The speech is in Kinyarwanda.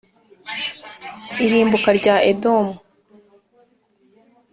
irimbuka rya edomu